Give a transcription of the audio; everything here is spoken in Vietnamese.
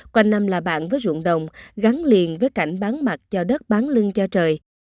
quanh năm là bạn với rụng đồng gắn liền với cảnh bán mặt cho đất bán lưng cho trời